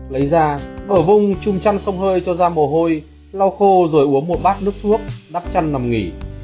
lấy ra bỏ vung chung chăn sông hơi cho ra mồ hôi lau khô rồi uống một bát nước thuốc đắp chăn nằm nghỉ